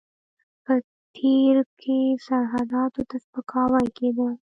په تېر کې سرحداتو ته سپکاوی کېده.